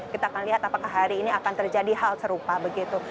kita akan lihat apakah hari ini akan terjadi hal serupa begitu